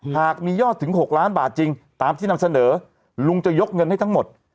หากมียอดถึง๖ล้านบาทจริงตามที่นำเสนอลุงจะยกเงินให้ทั้งหมด